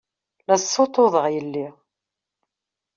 La ssuṭṭuḍeɣ yelli.